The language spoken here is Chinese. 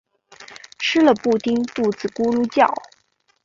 吃了布丁肚子咕噜叫